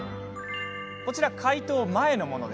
こちらは解凍前のもの。